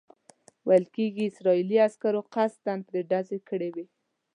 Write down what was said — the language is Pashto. ویل کېږي اسرائیلي عسکرو قصداً پرې ډز کړی وو.